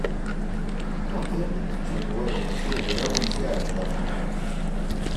Ḥkan i d-ǧǧan warrac, agraw n Si Ɛebdrreḥman.